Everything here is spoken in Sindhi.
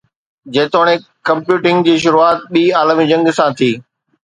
جيتوڻيڪ ڪمپيوٽنگ جي شروعات ٻي عالمي جنگ سان ٿي